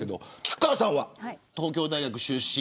菊川さんは東京大学出身。